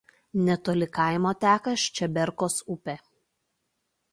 Netoli kaimo teka Ščeberkos upė.